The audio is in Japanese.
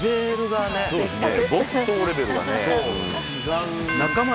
没頭レベルがね。